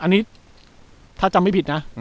อันนี้ถ้าจำไม่ผิดนะ